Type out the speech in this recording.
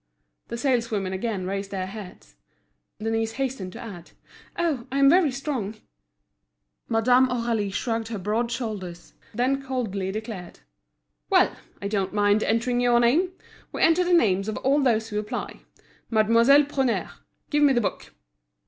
The saleswomen again raised their heads. Denise hastened to add: "Oh, I'm very strong!" Madame Aurélie shrugged her broad shoulders, then coldly declared: "Well! I don't mind entering your name. We enter the names of all those who apply. Mademoiselle Prunaire, give me the book."